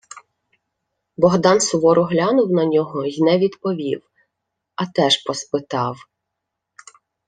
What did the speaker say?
Богдан суворо глянув на нього й не відповів, а теж поспитав: